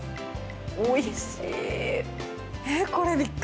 おいしい！